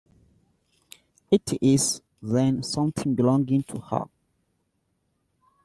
It is, then, something belonging to her.